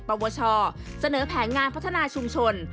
ปวชเสนอแผนงานพัฒนาชุมชน